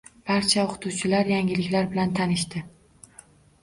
Barcha o‘qituvchilar yangiliklar bilan tanishdi.